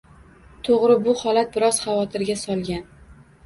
To'g'ri, bu holat biroz xavotirga solgan